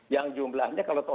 yang jumlahnya kalau terjadi